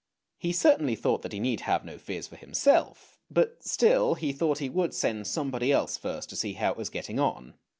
He certainly thought that he need have no fears for himself, but still he thought he would send somebody else first to see how it was getting on.